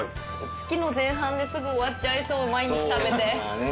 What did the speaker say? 月の前半ですぐ終わっちゃいそう毎日食べて。